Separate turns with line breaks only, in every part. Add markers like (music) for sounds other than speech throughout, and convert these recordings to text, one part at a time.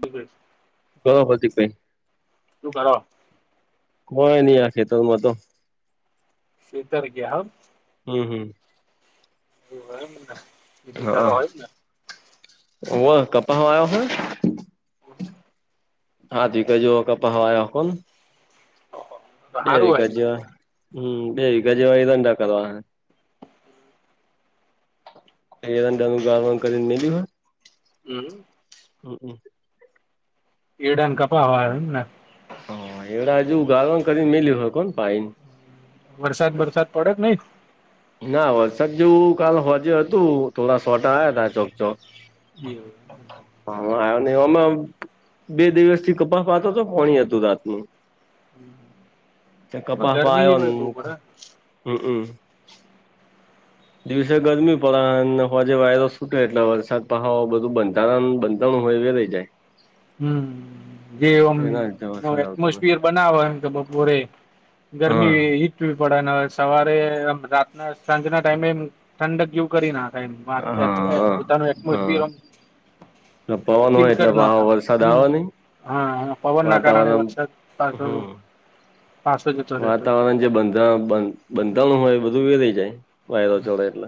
Bucks
ક હોતીી કાઈ
શું કરો
કોઈ નઈ આખેતોમાં તો
શધાર ગયા હમ
હમ હમ
(unintelligible)
હા
હોય ને
વ કપહ આયો હ હા દીકજઓ કપાવાયા કો બે
સારું હોય
વિકા જેવા હમ બે વિકા જેવા એ રંડા કરવા એનું ગ કરીને ન હો
હમ
હમ હમ
એડાન કપાવા ને
હા એવ આજ ગાર્ન કરીને મેલી હો કોને પાઈ
વરસાદ વરસાદ પડે કે નહ
ના વરસાદ જેવું કાલલે હોજે હતું થોડા સોટા આવ્યા ત ચોક ચોક
(inaudible)
હા આવ ને અમાં બે દિવસથી કપાસ પાતો હતો ભણી હતું રાત ન કપાસ
ગરમી
આ્યો ને
ભાઈ બહુ પડે
હમમ દિવસે ગરમી પડે હવા જે વાયરો છૂટે્યો એટલે વરસાદ પ બધું બંધતા તણું હોય વરેહી જાય
હમ જેમ
એના લીધે વરસાદ આવતો નથી
એટમોસફિયર બનાવ કે બપોરે
હા
ગરમી વી પડેને હવે સવારે રાતના સાંજના ટાઈમેમ ઠંડક ગયુ કરી ના
હા હા
પોતાનું
હા
એમોિરલ
એટલે પવન હોય એટલે
ના
પાહો વરસાદ
હમ
આવે નહી
હા પવન ના કારણે
વાતાવરણ
વરસાદ પાછો
હમ
પાચો
વાતાવરણ જે બંધા બંધાણું હોય એ બધું વ રઈ જાય વાયરો ચડે એટલે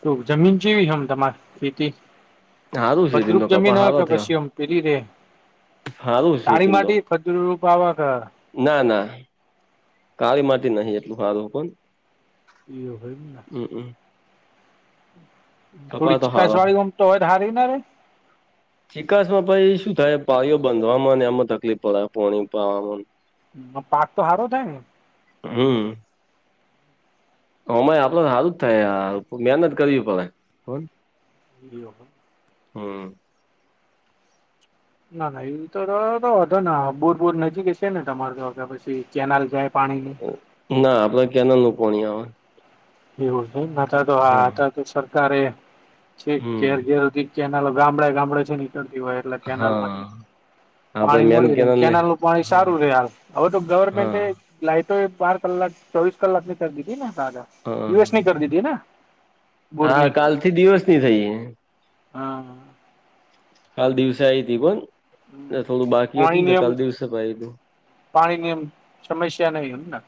શ જમીન જેવી છેમ તમારે ખેતી
હારું છે તીમ
ભદ્રુક
તો કપા
જમીન હ ક
હારો થયો
પશ્યમ પેરી રે
હારું છે તીમ તો
તાળી ખજૂ રૂપવા ખ
ના ના કાળી માટેટી નહીિ એટલું સારું કો
(unintelligible)
કપા
થોડી
તો હારો
ચીકાસ વાળી ગમ તો હોય હારી ના રે
(inaudible) ચિકાસમાં ભાઈ શું થાય પાળીઓ બાંધવામાં એમાં તકલીફ પડે પાણી પાવામાં
પાક તો હારો થાય ને
હમ અમા આપડ સારું જ થાય મહેનત કરવી પડ કોણ
વિડીયો પણ
હમ
ના ના એ રતોતો હતો ને બુરપુર નજીક છે ને તમાર તો પછી કેનાલ જાય પાણીની
ના આપડે ક્યાના નકોવાની આવે.
એવું નઈ હતા તો આ
હા
હતા તો સરકારે છે
હમ
ઘેર ઘેરધ. કેનાલો ગામડે ગામડે છે નીકળતી હોય એટલે કેનાલ
હા
માંથી
આપડે
પાણી
મેન
મળી રહેમ
કેનલ ને
કેનાલ નું પાણી
હા
સારું ર હ હવે તો ગવર્મેન્ટ
હા
લાઈ તો એ બાર કલાક ચોવીસ કલાક ની થ દીધી ને તાજા
હા
ન કરી દીધી ને
હા
બોરની
કાલ થી દિવસ ની થઈ
હમ.
કાલ દિવસે આવી હતી પણ થોડું બાકી
પાણી
હતું ને
ની
તો
એમ
કાલ દિવસે પણ આવી હતું
પાણી ની એમ સમસ્યા નહી હોય ને.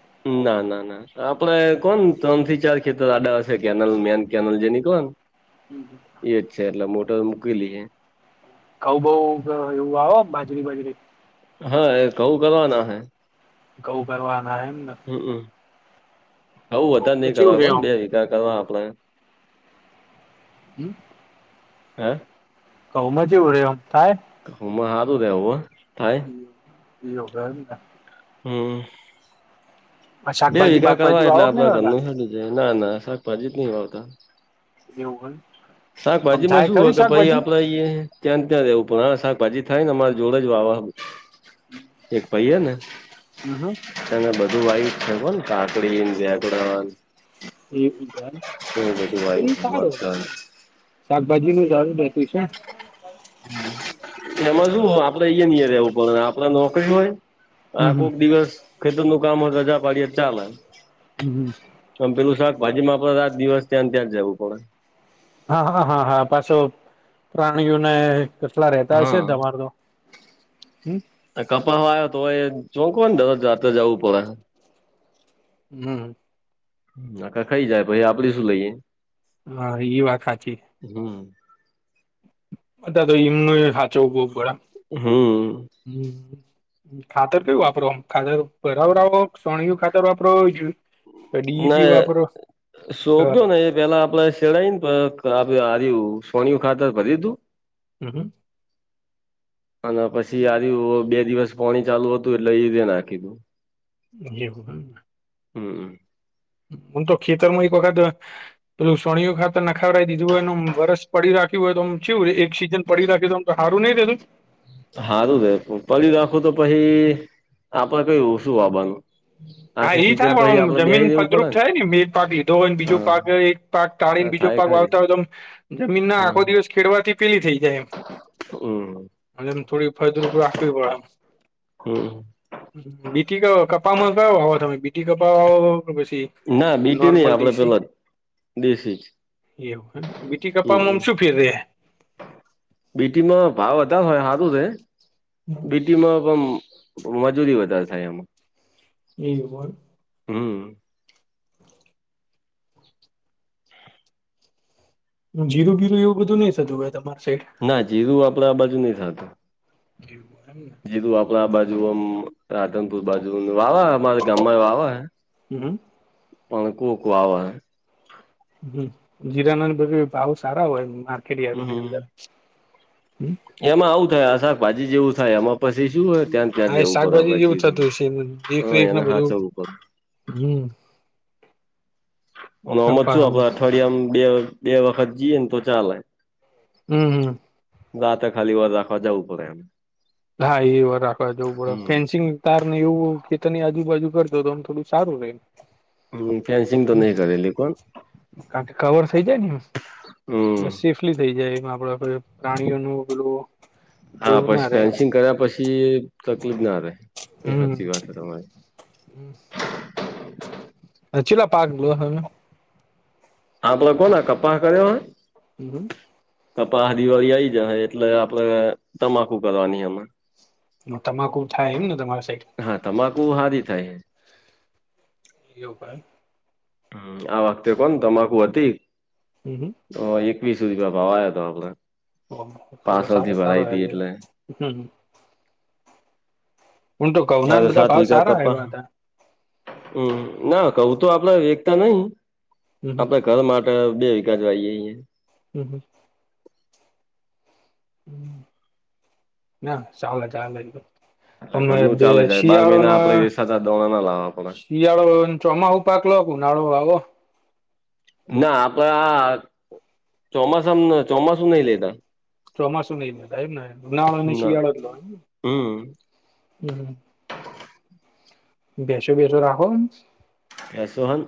ના ના ના. આપડે કોણ ત્રણ થી ચાર ખેતર આડા હશે કેનલ મેન કેનલ જેની કોણ.
હમ હ.
શેરલા મોટો મુકલી.
કઉ બઉ એવું આવે બાજરી બાજરી.
હા એ કવું કરવાના હે.
ગઉ ભરવાના એમ.
હમમ ખું વધારે
ઘઉંમાં
નહીિ
ચેવું
કરવા
રે
પણ
આમ
બે વગાર કરવા આપડ.
હમ.
હા.
કઉમાં જ એવું રે એમ થાય.
હુંમાં હા તોું દવું થાય.
(unintelligible)
હમ બે
શાકભાજી
વીઘા કરવા
બાકભાજી
એટલે
વાવો કે નઈ
આપડ
વળતા
ઘરનું. ના ના શાકભાજી જ નહી વાાવતા
એવું હોલ.
શાકભાજી માં શું હોય કે ભાઈ આપડા ઈ. ત્યાં ત્યાં રહેવું પણ હ શાકભાજી થાય ને અમારે જોડે જ વાવા. એક પહીએ ને.
હમ હમ.
તમે બધું વાયટ થ ને કાકડીને ઝાકડા.
એ જ તો
વાયુ
એમ સારું.
મગફળી
શાકભાજી નું જારું રહેતું છે.
એમાં શું આપડે ઈ નીય રહેવું પડે આપડા નોકરી હોય.
હમ
આ
હમ
કોક દિવસ ખેતર નું કામ હોય રજા પાડીય ચાલે.
હમ હ.
મ પેલું શાકભાજી માં આપણે રાત દિવસ ત્યાં ત્યાં જવું પડે.
હા હા હા હા પાછો પ્રાણીઓને. કેટલા રતા હશે તમાર તો હમ.
કપા્યો તો એ ચોંકવાને દ જાતે જવું પડે.
હમ.
આખ ખાઈ જાય પછ આપડે શું લઈએ.
હા એઈ વાખા છેી.
હમ.
બધા તો ઈમ સાચો બહ બરા.
હમ.
હમ. ખાતર કયું વાપરો ખાતર બરાવર આવો સણયું ખાતર વાપરો હો જોય.
નાને સોંપ્યો
હ
ને એ પેલા આપડે. ચડાઈને આ આ રયુ સોનિયું ખાતર ભરી દુ.
હમ.
અને પછી આ રયુ બે દિવસ પોણી ચાલુ હતું એટલે ઈરયા નાખી દું.
એવું હમ ને.
હમ્મ.
હું તો ખેતરમાં એક વખદ. પેલું સોનિયું ખાતર નાખવરાવી દીધું હોયને વરસ પડી રાખ્યું હોય તો આમ કેવું રે એક સીઝન પડી રાખ્યું તોમ. તો હારું નહિ રેધું.
હારું રે, પડી રાખો તો પહિ આપડ કય ઓશું આવવાનું.
હા એ થાય પણ ઓમ જમીન
રહેવું
ફળદ્રુપ
પડે
થાય ને મેં એક પાક લીધો હોય બીજો
હા
પાક એક. પાક કાઢી
હા
ને બીજો
થાય
પાક
ખરી.
વાવતા હોય તો આમ જમીન ના
હમ્મ
આખો દિવસ ખેડવાથી પેલી થઈ જાય એમ.
હમ
અને એમ થોડી ફળદ્રુપ રાખવી પડે આમ.
હમ
બીટી કપામાં કયો વાવો તમે બીટી કપા વાવો કો પછી.
ના બીટી નહી
નોર્મલ
આપડે
ડીસી
પેલા દેશી જ
એવું એમ ને, બીટી કપામાં
હમ
ઓમ શું. ફીરરે.
બીટીમાં ભાવ વધારે હોય હારુ રે, બીટીમાં પણ. મજૂરી વધારે થાય એમાં.
એ હોય.
હમ્મ.
જીરું બીરું એવું બધું નઈ થતું હોય તમારી સાઈડ.
ના જીરું આપડા આ બાજુ નહી થાતું.
એવું એમને.
જીરું આપડા આ બાજુ આમ. રાધનપુર બાજુ વાવા અમારા ગામમાં વાવા હે.
ને હમ
પણ કોક વાવે હે.
હમ જીરાના બધી ભાવ સારા હોય માર્કેટયાડૉ ની
હમ
અંદર હમ.
એમાં આવું થાય આ શાકભાજી જેવું થાય આમાં. પછી શું હોય ત્યાં ત્યાંજ
હા એ
રેવું પડે આપ
શાકભાજી જેવું
જીરુ
થતું હશે
હોય
દેખરેખ ને
એને
બધું
હાચવવું પડે.
હમ.
અને ઓમજ છું આપે
કપાળામાં
અઠવાડીયામાં બે બે વખત જઈએ ને તો ચાલે.
હમ હમ.
રાતે ખાલી વર રાખવા જવું પડે.
હા એ વર રાખવા જવું પડે
હમ.
ફેન્સિંગ. તાર ને એવું ખેતરની આજુબાજુ કરદો તો આમ થોડું સારું રે એમ.
હ ફેન્સિંગ. તો નહી કરેલી કોણ
કારણ કે કવર થઇ જાય ને એમ
હમ.
એટલે શિફ્ટ. થઈ જાય એમ આપડે પ્રાણીઓનું પેલું.
હા
એવું ના
પછી
રે એમ
ફેન્સિંગ કર્યા પછી તકલીફ ના રહે એ હાચી વાત હે તમારી.
હ ચીટલા પાક લ્યો હો તમે.
આપડે કોના કપા કર્યો હે.
હમ હમ.
કપા આ દિવાળી આઈ જહે એટલે આપડે તમાકુ કરવાની અમાં.
હ તમાકુ થાય ઇમ ને તમારી સાઈડ.
હા તમાકુ હારી થાય.
એ ઉપર.
હમ્મ આ વખતે પણ તમાકુ હતી.
હમ હમ.
એકવીસ સુધી બાપા આવ્યા તો આપડે.
ઓહો તો
પાર્સલ
સારો
થી
સારો
ભરાઈ તી
આવ્યો.
એટલે
હું તો ઘઉંના
હા
બધા
સાત
ભાવ
વિઘા
સારા
કપાહ.
આવ્યા હતા
હમ ના કહુ તો આપણે એકેતા નહી
હમ
ઘર માટે બે વિઘા જઈએે અહીંયા.
હમ, હમ ના ચાલે ચાલે.
એટલે
અમે
ઘરનું
બે
ચાલે છે.. બાર મહિના
શિયાળોને
આપડે વેચાતા દાણા ના લાવવા પડે
શિયાળો ચોમાસું પાક લો ઉનાળો વાવો
ના આપડે આ ચોમાસા ચોમાસું નહીં લેતા
ચોમાસું નહીં એમને ઉનાળો અને
ના
શિયાળો નો
હમ
હોય. બેસો બેસો રાખોને
એ સોહન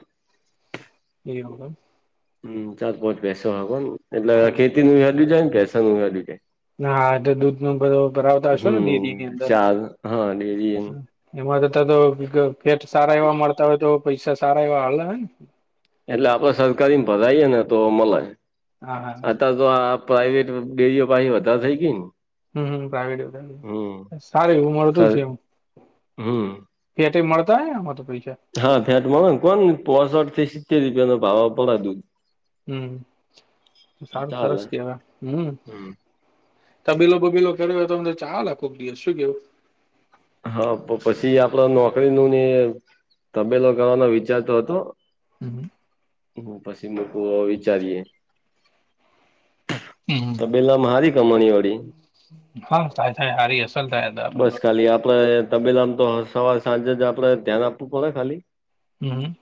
એવું
હમ ચાર પોચ પેસો આવે ને એટલે ખેતી નુંય
એમ
હેડ્યું જાય ને પેસા નું હેડ્યું જાય
હા તો દૂધ નો ઘડો ભરાવતા હશો ને
હમ
ડેરીની અંદર
ચાર હા ડેરી એમ
એમાં થતા તો ફેટ સારા એવા મળતા હોય તો પૈસા સારા એવા આલે હે ને
એટલે આપડે સરકારીને ભરાઈએે ને તો મલે
હા હા
અતારે તો આ પ્રાાઈવેટ ડેરીઓ પાછી વધારે થઈ ગઈ ને
હમ પ્રાઇવેટ
હમ
(inaudible) સારૂ એવું મળતું
સર
હશે
હમ
એમાં એથી મળતા અહે ને એમાંથી પૈસા
હા, ફેટમાં હેને કઉ પોસઠ થી સિત્તેર રૂપિયા નો ભાવ આવતો લાગે
હમ સારું સરસ
ચાલે
કેવાય હમ તબેલો બબેલો કર્યો હોય તો અમને ચાલે
હા પણ પછી આપડે નોકરી નું ને તબેલો કરવાનો વિચારતો હતો.
હમ
હું પછી મૂકું હવે વિચારીએ
હમ
તબેલા માં સારી કમાણી વાળી
હા થાય થાય હારી હસે
બસ ખાલી આપડે તબેલા માં તો સવાર સાંજે જ આપણે ધ્યાન આપવું પડે ખાલી
હમ્મ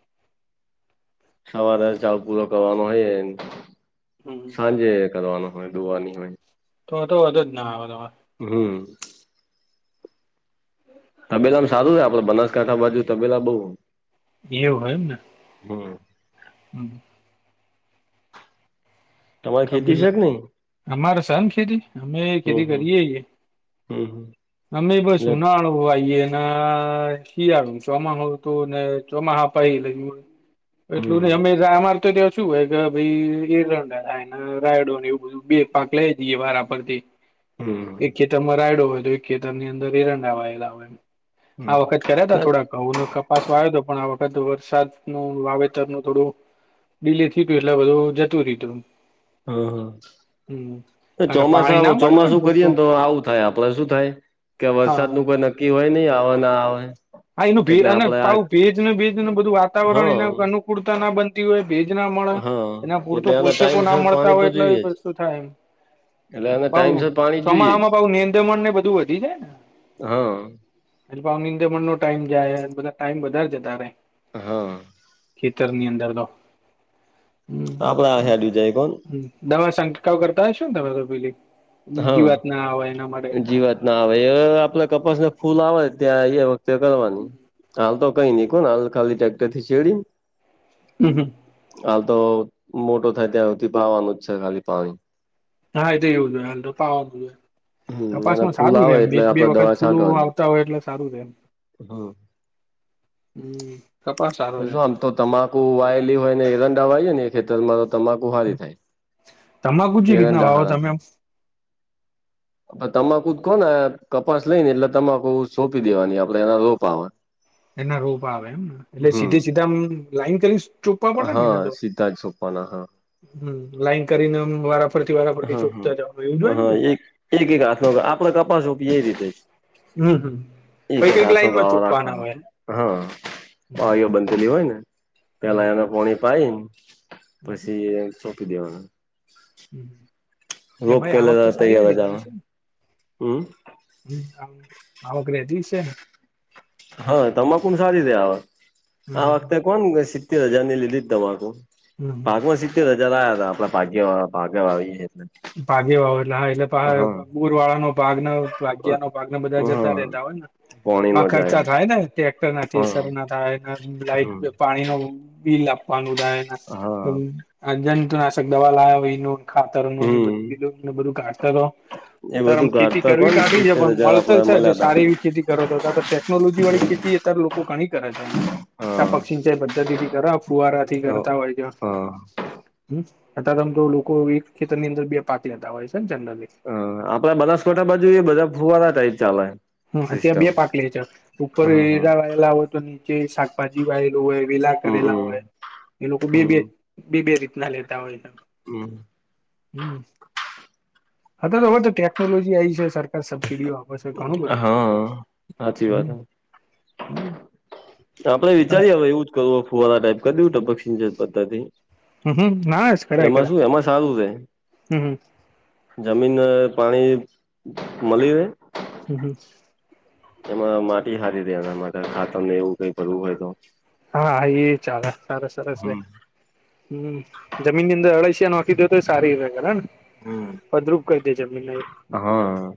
સવારે ચાલ પૂરો કરવાનો હોયે ન
હમ
સાંજે કરવાનો હોય ડોવાની હોય.
તો તો વાંધો જ ના આવે ત
હમ્મ તબેલામ સારું છે. આપણે બનાસ કાથા બાજુ તબેલા બઉ હ
એવું હોય એમને
તમારે ખેતી છે કે નહી
(inaudible) અમારે સન ખેતી એય ખેતી કરીએ છીએ.
હમ્મ
તમે બસ ઉનાળો આઈએ ના શી આવ ચોમાસું હતું ને ચોમાસા પહિ (inaudible)
હમ
એટલું નઈ અમેય કાઈ અમાર તો ત્યાં શું હોય કે ભઈ એરંડા અને રાયડો ને એવું બધું બે પાક લઈ લઈએ વારા પરથી.
હમ્મ
એક ખેતરમાં રાયડો હોય તો એક ખેતર ની અંદર એરંડા વાયેલા હોય, એમ આ
હમ
વખત કર્યા તા
ના
થોડાક ઘઉં ને કપ પાસો આવ્યો તો પણ આ વખત વરસાદ નું વાવેતર નું થોડું ડીલે થ્યુતું એટલે બધું જતું ર્યુ તું
હહ
હમ
તો
કારણ કે પાણી ના
ચોમાસા
મળ્યું હોય
ચોમાસું કરીએ
પૂરતું
ને તો આવુ અરે આપડે શું થાય કે
હા
વરસાદ નું કોઈ નક્કી હોય નહી આવે ના આવે
હા ઇતો ભેજ
એટલે
અને
આપડે આ
પાહુ ભેજ અને બેજ બધું વાતાવરણ
હા
એને અનુકૂળતા ના બન (unintelligible) ભેજ ના મળે
હા
એના પૂરતો
એટલે આના
પોષકો ના
ટાઈમસર
મળે
પાણી તો
હોય એટલે ઈ
જોઈએ જ
વસ્તુ થાય
એટલે આને
પાહુ
ટાઈમસર પાણી જોઈએ
ચોમાસામાં
જ
પાહુ નેંદમણ ને બધ બધું વધી જાય ને
હા
એ પાહો નીંદેમન નો ટાઈમ જાય હેને બધા ટાઈમ વધારે જતારે
હા.
ખેતર ની અંદર તો હમ
આપડડા (inaudible) જાય કોણ
દવા સંંટકાવ કરતા હશો ને તમે તો પેલી
હા
જીવાત ના આવેય એના માટે
જીવાત ના હવે એ આપડે કપાસ ને ફૂલ આવે ત્યાં એ વખતે કરવાની હાલ તો કઈ ન કોણ હાલ ખાલી ટક્ટર થી છેડી
હમ.
હાલ તો મોટો થાય ત્યાં સુધી પાવાનું જ છે, ખાલી પાણી
હા એ તો એવું જ હોય અ તો પાવા
હમ અને
કપાસમાં
ફૂલ
સારું
આવે
રેમ
એટલે
એક બે
આપડે
વખત
દવા
ફૂલ આવતા હોય એટલે સારું રેમ
હા
હમ કપાસ સારો છે.
જો આમ તો તમાકુ વાયેલી હોય ને એરંડા વાયે ને ખેતરમાં તો તમાકુ સારી થાય.
તમાકુ ચી રીતના
એરંડા
વાવો
હારા
તમે?
થાય. તમાકુ જ કહો ને કપાસ લઈને એટલે તમાકુ સોંપી દેવાની આપડે એના રોપામાં
એના રોપા આવે એમને એટલે સીધે સીધા લાઈન કરી ચૂપવા પડે ને એ
સીધાંત સોપાન હા
હમ લાઈન કરીને વારાફર થી વારાફર થી
હા હા.
ચોપતા જવાનું એવું હોય
હા
ન
એક એક એક આથ આપ કપાસપી રીતે
હમ.
એક
પછ કઈક
હાથનો
લાઈનમાં
ગાળો
ચોપવાના
રાખવાનો
હોય
હા બાઓ બંધલી હોય ને પેલા એને પોણી પાાય પછી સોંપી દેવાનું.
હમ
રોપ કે લ તૈયાર જાવા હમ
હ આ આવક રતી છે ને
હા તમાકુ સારી ર આ
હમ
આ વખતે કોણ સિત્તેર હજાર ની લીધી જ તમાકુ
હમ હમ
ભાગમાં સિત્તેર હજાર આયા તા આપડા ભાગ ભાગ આવીલે
ભાગી વાવ એટલે હા એટલે પુર વાળાનો ભાગ ન તો (inaudible) ભાગ ને બધા જતા રહેતા
હા
હોય ને
પોણી નો
ખર્ચા
જાય
થાય ને ટ્રેક્ટર ના
હા
થેશર ના થાય
હમ
લાઈટ પાણી નુ બિલ આપવાનું થાય એના
હા
અજંતુનાશક દવા લાવયા એ ખાતર ન
હમ
બધું બીધું ને બધું કાઢતા રહ
એ
તમ
બધું
ખેતી
કાઢતા
કરવી
કોણ
કાઢી છે,
સિત્તેર
પણ
હજાર
મલતળ
આપડા
જ છે, જો
મળ્યા તા
સારી એવી ખેતી તો ટેકનોલોજી વાળી ખેતી અત્યારે લોકો ઘણી કરે છે એમ યા
હા
પછી સિંચાઇ પદધતિથી કર ફુવારાથી
હા
કરતા હોય છે
હ
હ અ તમ તો લોકો એક ખેતરની અંદર પાતી જતા હોય છે ને જનરલી
હ આપડે બનાસકાંઠા બાજુ એ બધા ફુવારા ટાઈપ ચાલે
હ ત્યાં
સિસ્ટમ
બે પાકેલી છે, ઉપર
હા હા
એરા વાયેલા હોય તો નીચે શાકભાજી વાય હોય વેલા કરેલા
હમ
હોય એ લોકો બે બે
હમ
બે બે રીતના લેતા હોય છે.
હમ
હમ અ તો હ તો ટેકનોલોજી આવી છે, સરકાર સબસીડીઓ આપે છે, ઘણું બધું મળી રહે છે
હા સાચી વાત
હમ
હ
હમ
આપડે વિચારીએ હવે એવું જ કરવું ફુવારા ટાઈપ કર‌ દેવું ટપક સિંચાઇ પદ્ધતિ
હમ ના કરાય
એમાં
કરાય
શું એમાં સારું છે.
હમ હમ
જમીન પાણી મળી રહેે
હમ હમ.
એમાં માટી સારી હતી એના માટે ખાતર તમને એવું કઈ ભરવું હોય તો
હાા એ ચાલે સરસ સરસ છે.
હમ
હમ જમીનની અળસિયા નોખી દો તો એ સારી રહેને
હમ
ભદ્રુપ કર દે જમીન એ
હા